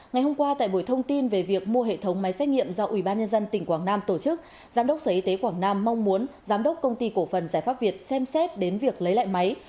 ngày hôm qua tại buổi thông tin về việc mua hệ thống máy xét nghiệm do ủy ban nhân dân tỉnh quảng nam tổ chức giám đốc sở y tế quảng nam mong muốn giám đốc công ty cổ phần giải pháp việt xem xét đến việc lấy lại máy